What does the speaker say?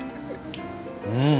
うん！